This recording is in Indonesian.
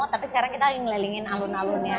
tapi sekarang kita lagi melelingin alun alunnya aja